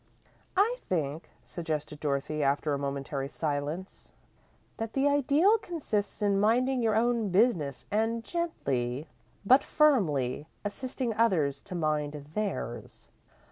"I think," suggested Dorothy, after a momentary silence, "that the Ideal consists in minding your own business and gently, but firmly, assisting others to mind theirs."